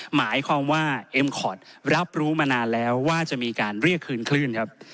หมายความว่าเอ็มคอร์ดรับรู้มานานแล้วว่าจะมีการเรียกคืนคลื่นครับ